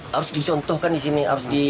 harus disontohkan di sini